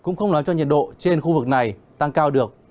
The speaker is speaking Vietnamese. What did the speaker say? cũng không làm cho nhiệt độ trên khu vực này tăng cao được